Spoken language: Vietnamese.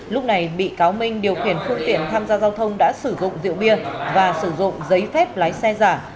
lúc này bị cáo minh điều khiển phương tiện tham gia giao thông đã sử dụng rượu bia và sử dụng giấy phép lái xe giả